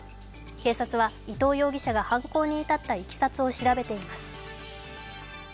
警察は伊藤容疑者が犯行に至ったいきさつを調べています。